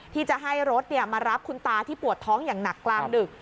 ที่จะให้รถมารับคุณตาที่ปวดท้องอย่างหนักกลางดึก